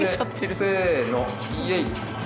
せのイェイ！